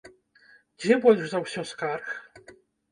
Дзе больш за ўсё скарг?